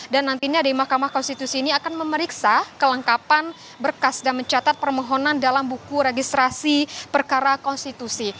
dan nantinya dari mahkamah konstitusi ini akan memeriksa kelengkapan berkas dan mencatat permohonan dalam buku registrasi perkara konstitusi